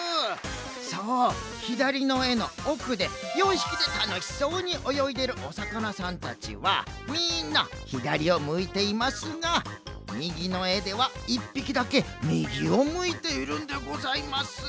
そうひだりのえのおくで４ひきでたのしそうにおよいでるおさかなさんたちはみんなひだりをむいていますがみぎのえでは１ぴきだけみぎをむいているんでございます。